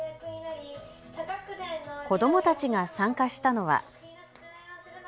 子どもたちが参加したのは。